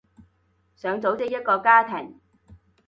想組織一個家庭